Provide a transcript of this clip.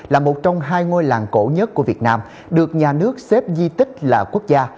là một trong hai ngôi làng cổ nhất của việt nam được nhà nước xếp di tích là quốc gia